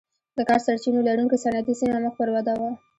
د کا سرچینو لرونکې صنعتي سیمه مخ پر وده وه.